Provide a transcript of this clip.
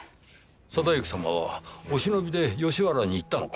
定行様はお忍びで吉原に行ったのか？